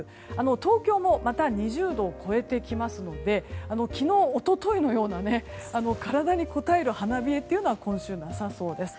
東京も、また２０度を超えてきますので昨日、一昨日のような体にこたえる花冷えは今週なさそうです。